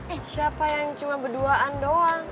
eh siapa yang cuma berduaan doang